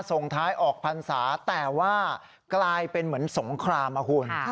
ส่งท้ายออกพรรษาแต่ว่ากลายเป็นเหมือนสงครามอะคุณ